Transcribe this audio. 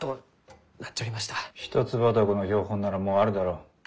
ヒトツバタゴの標本ならもうあるだろう。